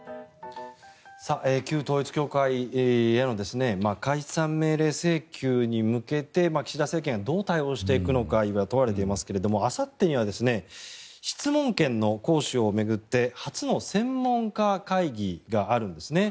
旧統一教会への解散命令請求に向けて岸田政権はどう対応していくのか今、問われていますがあさってには質問権の行使を巡って初の専門家会議があるんですね。